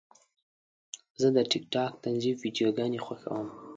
زه د ټک ټاک طنزي ویډیوګانې خوښوم.